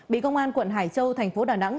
bị công an quận hải châu thành phố đà nẵng